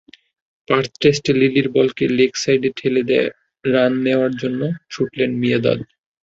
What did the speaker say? পার্থ টেস্টে লিলির বলকে লেগ সাইডে ঠেলে রান নেওয়ার জন্য ছুটলেন মিয়াঁদাদ।